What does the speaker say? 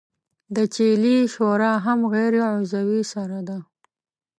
د چیلې شوره هم غیر عضوي سره ده.